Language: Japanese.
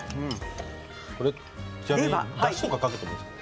これって、だしとかかけてもいいんですか？